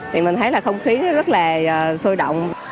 thì mình thấy là không khí rất là sôi động